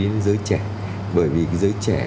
đến giới trẻ bởi vì giới trẻ